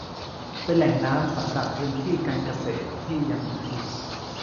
เป็นแหล่งน้ำสำหรับพื้นที่การเกษตรที่ยังเหลืออยู่